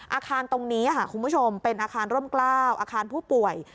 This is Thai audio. อาคารตรงนี้ค่ะคุณผู้ชมเป็นอาคารร่มกล้าวอาคารผู้ป่วย